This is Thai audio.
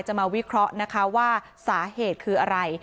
มาวิเคราะห์นะคะว่าสาเหตุคืออะไร